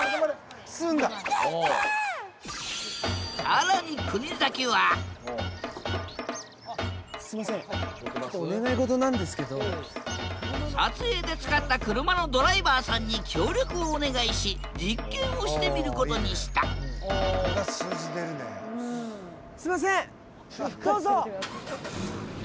更に国崎は撮影で使った車のドライバーさんに協力をお願いし実験をしてみることにしたすいませんどうぞ。